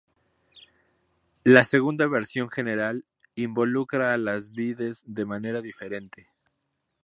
La segunda versión general, involucra a las vides de manera diferente.